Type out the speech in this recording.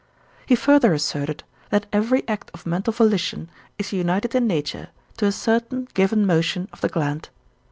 He further asserted, that every act of mental volition is united in nature to a certain given motion of the gland.